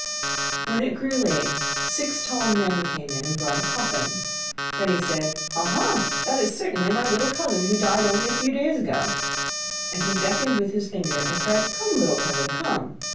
When it grew late, six tall men came in and brought a coffin. Then he said: 'Ha, ha, that is certainly my little cousin, who died only a few days ago,' and he beckoned with his finger, and cried: 'Come, little cousin, come.